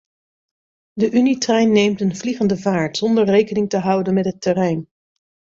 De unietrein neemt een vliegende vaart zonder rekening te houden met het terrein.